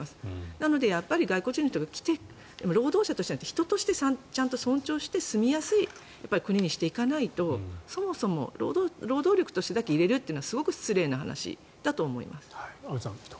なので外国人の人が来て労働者としてではなく人として尊重して住みやすい国にしていかないとそもそも労働力としてだけ入れるというのはすごく失礼な話だと思います。